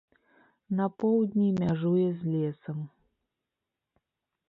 На поўдні мяжуе з лесам.